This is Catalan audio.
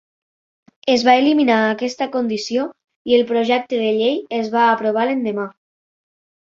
Es va eliminar aquesta condició i el projecte de llei es va aprovar l'endemà.